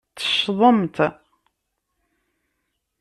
Teccḍemt.